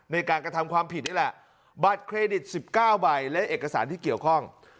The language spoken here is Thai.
ในการกระทำความผิดนี่แหละบัตรเครดิต๑๙ใบและเอกสารที่เกี่ยวข้อง